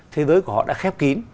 thế giới của họ đã khép kín